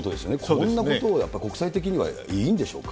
こんなことを国際的にはいいんでしょうか。